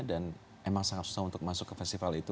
dan memang sangat susah untuk masuk ke festival itu